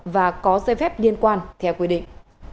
và có dây phép liên quan theo quy định